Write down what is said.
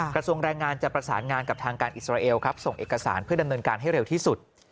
กระทรวงแรงงานจะประสานงานกับทางการอิสราเอลครับส่งเอกสารเพื่อดำเนินการให้เร็วที่สุด